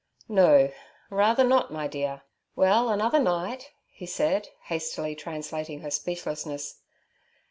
'No—rather not, my dear? Well, another night' he said, hastily translating her speechlessness.